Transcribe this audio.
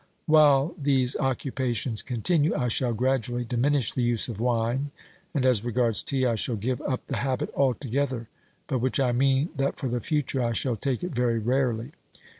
While these occupations continue, I shall gradually diminish the use of wine, and as regards tea I shall give up the habit altogether, by which I mean that for the future I shall take it very rarely.